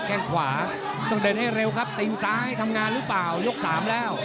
แค่งขวาต้องเดินให้เร็วครับตีนซ้ายทำงานหรือเปล่ายกสามแล้ว